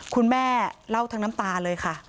คุณแม่เล่าทั้งน้ำตาเลยค่ะ